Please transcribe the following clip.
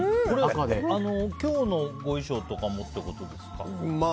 今日のご衣装とかもってことですか？